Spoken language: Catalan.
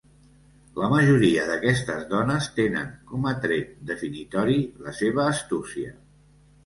La majoria d’aquestes dones tenen com a tret definitori la seva astúcia.